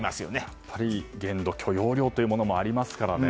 やっぱり限度、許容量というものもありますからね。